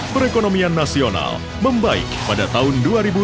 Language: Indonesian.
perekonomian nasional membaik pada tahun dua ribu dua puluh